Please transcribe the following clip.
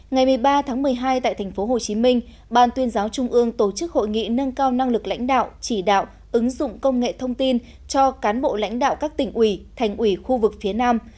ngày một mươi ba tháng một mươi hai tại tp hcm ban tuyên giáo trung ương tổ chức hội nghị nâng cao năng lực lãnh đạo chỉ đạo ứng dụng công nghệ thông tin cho cán bộ lãnh đạo các tỉnh ủy thành ủy khu vực phía nam